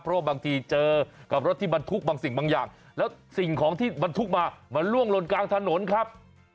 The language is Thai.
เพราะว่าบางทีเจอกับรถที่บรรทุกบางสิ่งบางอย่างแล้วสิ่งของที่บรรทุกมามันล่วงลนกลางถนนครับ